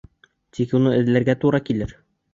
Тик уны эҙләргә тура килер.